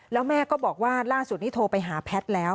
แล้วแม่ก็บอกว่าล่าสุดนี้โทรไปหาแพทย์แล้ว